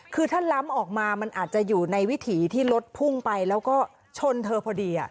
คือถ้าล้ำออกมามันอาจจะอยู่ในวิถีที่รถพุ่งไปแล้วก็ชนเธอพอดี